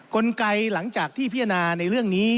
กลไกหลังจากที่พิจารณาในเรื่องนี้